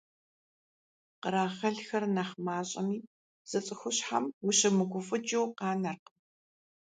Кърагъэлхэр нэхъ мащӀэми, зы цӀыхущхьэм ущымыгуфӀыкӀыу къанэркъым.